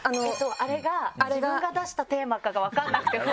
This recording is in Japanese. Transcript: あれが自分が出したテーマかが分かんなくて不安に。